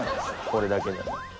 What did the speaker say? これだけで。